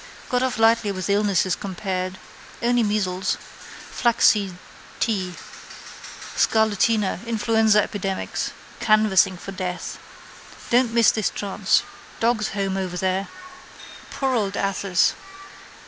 Got off lightly with illnesses compared. Only measles. Flaxseed tea. Scarlatina, influenza epidemics. Canvassing for death. Don't miss this chance. Dogs' home over there. Poor old Athos!